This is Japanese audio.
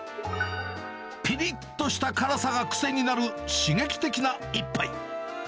ぴりっとした辛さが癖になる刺激的な一杯。